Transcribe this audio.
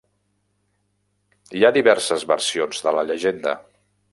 Hi ha diverses versions de la llegenda.